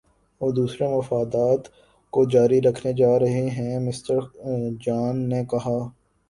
وہ دوسرے مفادات کو جاری رکھنے جا رہے ہیں مِسٹر جان نے کہا